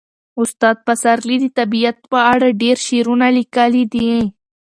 استاد پسرلي د طبیعت په اړه ډېر شعرونه لیکلي.